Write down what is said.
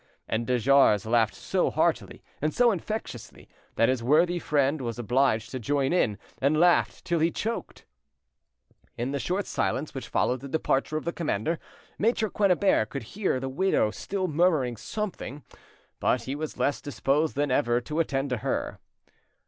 And de Jars laughed so heartily and so infectiously that his worthy friend was obliged to join in, and laughed till he choked. In the short silence which followed the departure of the commander, Maitre Quennebert could hear the widow still murmuring something, but he was less disposed than ever to attend to her.